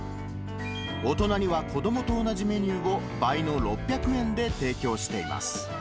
大人には子どもと同じメニューを倍の６００円で提供しています。